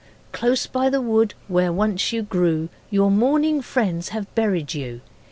Close by the wood where once you grew Your mourning friends have buried you.